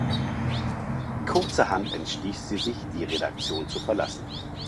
Kurzerhand entschließt sie sich die Redaktion zu verlassen.